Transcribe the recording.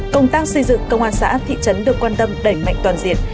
công tác xây dựng công an xã thị trấn được quan tâm đẩy mạnh toàn diện